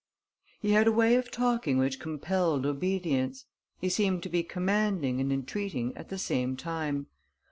He had a way of talking which compelled obedience. He seemed to be commanding and entreating at the same time.